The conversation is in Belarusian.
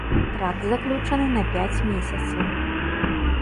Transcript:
Кантракт заключаны на пяць месяцаў.